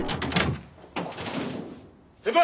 先輩！